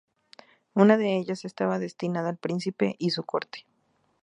Una de ellas estaba destinada al príncipe y su corte.